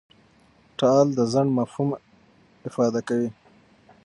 ټال د ځنډ مفهوم افاده کوي.